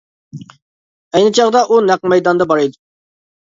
ئەينى چاغدا ئۇ نەق مەيداندا بار.